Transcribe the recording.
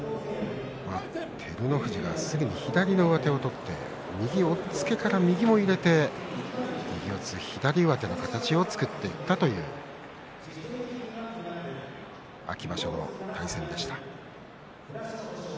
照ノ富士がすぐに左の上手を取って右押っつけから右も入れて左上手の形を作っていったという秋場所の対戦でした。